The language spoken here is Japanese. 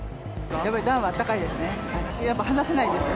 やっぱりダウンはあったかいですね。